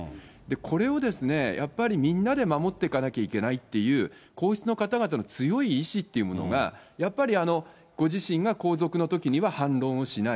これをやっぱりみんなで守っていかなきゃいけないという、皇室の方々の強い意志というものがやっぱりご自身が皇族のときには反論をしない。